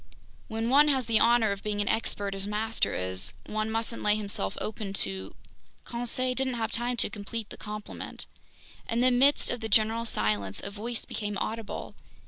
"When one has the honor of being an expert as master is, one mustn't lay himself open to—" Conseil didn't have time to complete the compliment. In the midst of the general silence, a voice became audible.